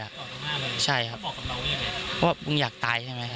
จอตรงหน้าเลยใช่ครับบอกกับเราอย่างไรว่ามึงอยากตายใช่ไหมครับ